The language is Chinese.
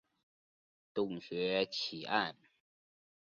洞穴奇案。